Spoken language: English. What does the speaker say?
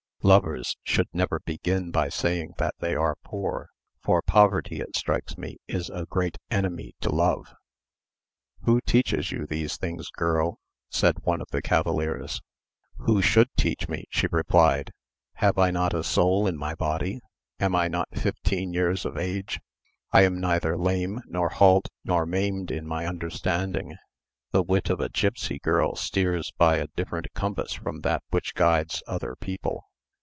Lovers should never begin by saying that they are poor, for poverty, it strikes me, is a great enemy to love." "Who teaches you these things, girl?" said one of the cavaliers. "Who should teach me?" she replied. "Have I not a soul in my body? Am I not fifteen years of age? I am neither lame, nor halt, nor maimed in my understanding. The wit of a gipsy girl steers by a different compass from that which guides other people.